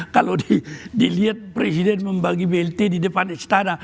kalau dilihat presiden membagi blt di depan istana